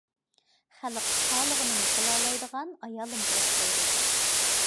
خەلق خالىغىنىنى قىلالايدىغان ئايالىمغا ئوخشايدۇ.